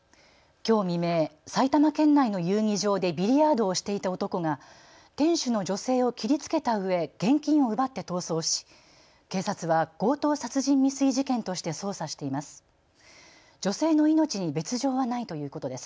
きょう未明、埼玉県内の遊技場でビリヤードをしていた男が店主の女性を切りつけたうえ現金を奪って逃走し警察は強盗殺人未遂事件として捜査しています。